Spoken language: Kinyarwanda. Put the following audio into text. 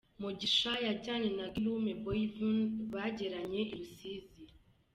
Mugisha yajyanye na Guillaume Boivin bageranye i Rusizi.